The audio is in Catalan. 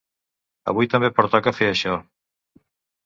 Avui també pertoca fer això.